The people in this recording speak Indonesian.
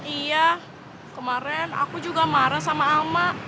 iya kemarin aku juga marah sama ama